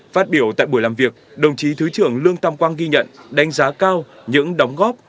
phát biểu tại buổi làm việc đồng chí thứ trưởng lương tam quang ghi nhận đánh giá cao những đóng góp